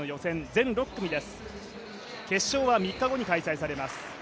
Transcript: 全６組です、決勝は３日後に開催されます。